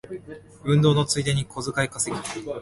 運動のついでに小遣い稼ぎ